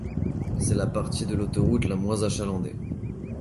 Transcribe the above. C'est la partie de l'autoroute la moins achalandée.